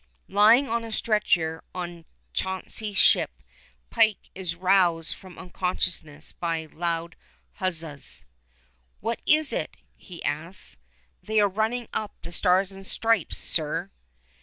Lying on a stretcher on Chauncey's ship, Pike is roused from unconsciousness by loud huzzas. "What is it?" he asks. "They are running up the stars and stripes, sir."